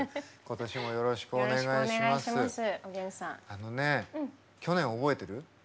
あのね去年覚えてる？